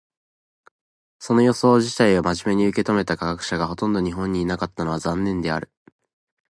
その予想自体を真面目に受け止めた科学者がほとんど日本にいなかったのは残念である。